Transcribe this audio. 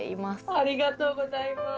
ありがとうございます。